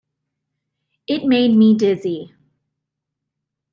It made me dizzy.